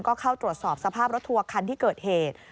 ก็เข้าตรวจสอบสภาพรถทัวร์คันที่เกิดเหตุ